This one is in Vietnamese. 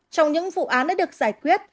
trong những vụ án đã được giải quyết